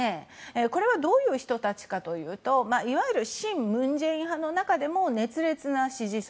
これはどういう人たちかというといわゆる親文在寅派の中でも熱烈な支持層。